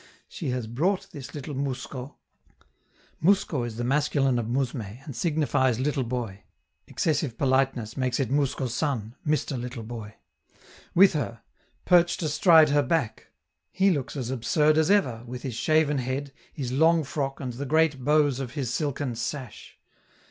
She has brought this little mousko [Mousko is the masculine of mousme, and signifies little boy. Excessive politeness makes it mousko san (Mr. little boy).] with her, perched astride her back; he looks as absurd as ever, with his shaven head, his long frock and the great bows of his silken sash.